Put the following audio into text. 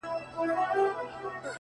او خبرو باندي سر سو ـ